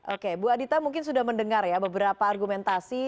oke bu adita mungkin sudah mendengar ya beberapa argumentasi